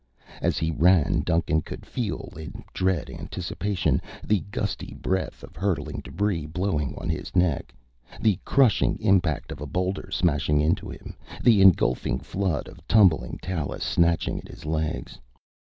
As he ran, Duncan could feel, in dread anticipation, the gusty breath of hurtling debris blowing on his neck, the crushing impact of a boulder smashing into him, the engulfing flood of tumbling talus snatching at his legs.